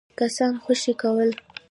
کسان خوشي کول.